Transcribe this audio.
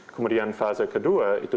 kemudian fase kedua itu